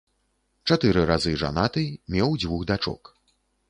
Чатыры разы жанаты, меў дзвюх дачок.